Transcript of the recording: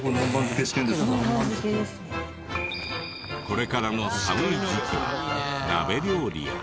これからの寒い時期は鍋料理や。